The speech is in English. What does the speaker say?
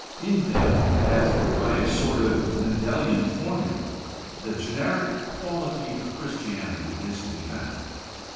In them, as by a sort of MendeHan formula, the generic quality of Christianity is to be found.